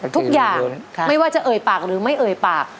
ทุกอย่างไม่ว่าจะเอ่ยปากหรือไม่เอ่ยปาก